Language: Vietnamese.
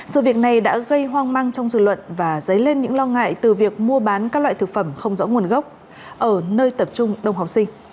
sự việc này đã gây hoang mang trong dự luận và dấy lên những lo ngại từ việc mua bán các loại thực phẩm không rõ nguồn gốc ở nơi tập trung đông học sinh